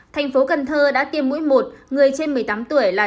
thành phố cần thơ đã tiêm mũi một người trên một mươi tám tuổi là chín mươi năm chín